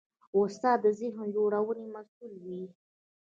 استاد د ذهن جوړونې مسوول وي.